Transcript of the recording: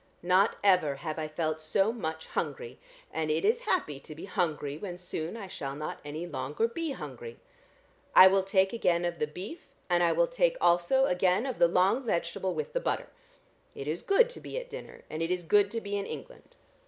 "Not ever have I felt so much hungry, and it is happy to be hungry when soon I shall not any longer be hungry. I will take again of the beef, and I will take also again of the long vegetable with the butter. It is good to be at dinner, and it is good to be in England.